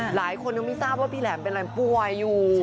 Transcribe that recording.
หลายคนยังไม่ทราบว่าพี่แหลมเป็นอะไรป่วยอยู่